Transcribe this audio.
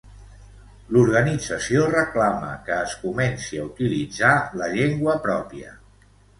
L'organització reclama que es comenci a utilitzar la llengua pròpia.